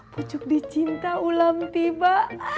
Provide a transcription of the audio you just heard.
pucuk di cinta ulam tiba